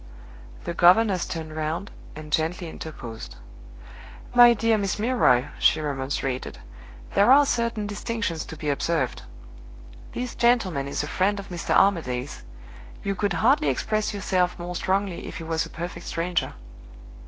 The governess turned round, and gently interposed. "My dear Miss Milroy," she remonstrated, "there are certain distinctions to be observed. This gentleman is a friend of Mr. Armadale's. You could hardly express yourself more strongly if he was a perfect stranger."